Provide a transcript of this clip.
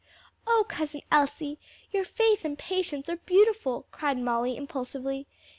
"O Cousin Elsie, your faith and patience are beautiful!" cried Molly, impulsively.